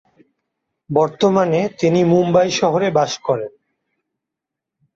বর্তমানে তিনি মুম্বাই শহরে বাস করেন।